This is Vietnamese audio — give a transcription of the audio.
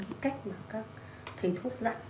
cái cách mà các thầy thuốc dặn